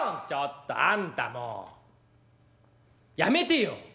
「ちょっとあんたもうやめてよ」。